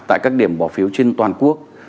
tại các điểm bỏ phiếu trên toàn quốc